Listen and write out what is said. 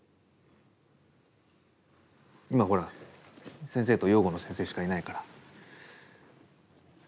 今ほら先生と養護の先生しかいないから。